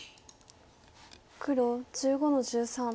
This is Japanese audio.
黒１５の十三取り。